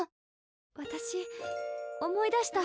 私思い出した。